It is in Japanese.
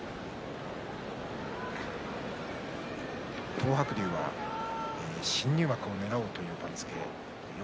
東白龍は新入幕をねらおうという番付です。